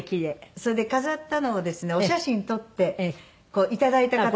それで飾ったのをですねお写真撮って頂いた方とか。